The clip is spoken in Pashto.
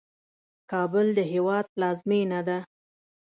کابل د هیواد پلازمینه ده